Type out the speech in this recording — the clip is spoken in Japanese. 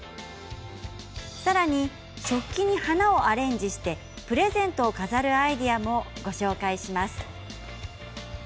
さらに、食器に花をアレンジしてプレゼントを飾るアイデアもご紹介します。